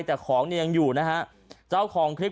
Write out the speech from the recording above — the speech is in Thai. แต่ของยังอยู่นะครับเจ้าของคลิป